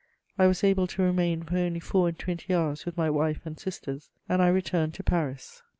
I was able to remain for only four and twenty hours with my wife and sisters, and I returned to Paris.